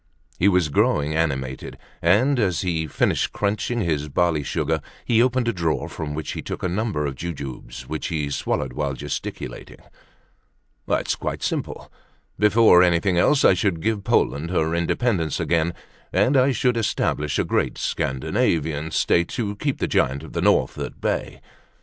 He was growing animated, and as he had finished crunching his barley sugar, he opened a drawer from which he took a number of jujubes, which he swallowed while gesticulating. "It's quite simple. Before anything else, I should give Poland her independence again, and I should establish a great Scandinavian state to keep the Giant of the North at bay.